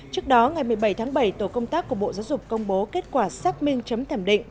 trước đó ngày một mươi bảy tháng bảy tổ công tác của bộ giáo dục công bố kết quả xác minh chấm thẩm định